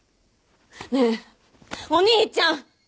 ねえお兄ちゃん！